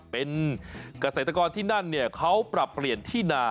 เป็นเกษตรกรที่นั่นเนี่ยเขาปรับเปลี่ยนที่นา